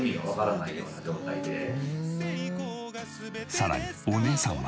さらにお姉さんは。